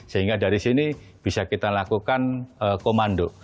sehingga dari sini bisa kita lakukan komando